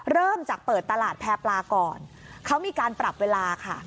เริ่มจากเปิดตลาดแพร่ปลาก่อนเขามีการปรับเวลาค่ะ